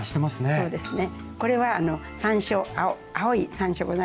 はいそうですね。